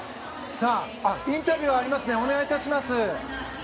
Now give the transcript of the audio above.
インタビューありますねお願いいたします。